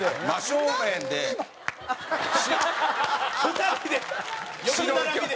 ２人で横並びで。